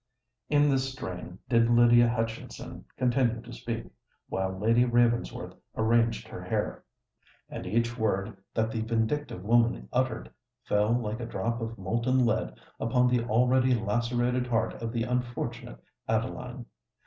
In this strain did Lydia Hutchinson continue to speak, while Lady Ravensworth arranged her hair. And each word that the vindictive woman uttered, fell like a drop of molten lead upon the already lacerated heart of the unfortunate Adeline.